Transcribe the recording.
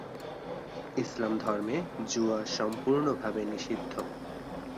ইসলাম ধর্মে জুয়া সম্পূর্ণভাবে নিষিদ্ধ।